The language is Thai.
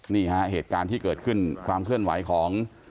นี่ฮะเหตุการณ์ที่เกิดขึ้นความเคลื่อนไหวของ